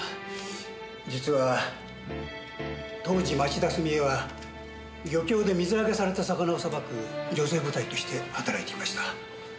実は当時町田純江は漁協で水揚げされた魚をさばく女性部隊として働いていました。